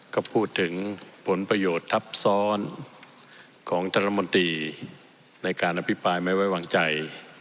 ก็พูดถึงผลประโยชน์ทับซ้อนของท่านรัฐมนตรีในการอภิปรายไม่ไว้วางใจ